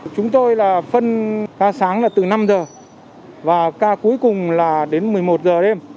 chúng tôi là phân ca sáng là từ năm giờ và ca cuối cùng là đến một mươi một giờ đêm